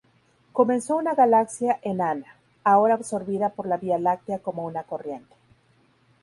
Comenzó como una galaxia enana, ahora absorbida por la Vía Láctea como una corriente.